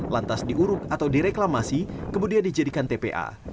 lantas diuruk atau direklamasi kemudian dijadikan tpa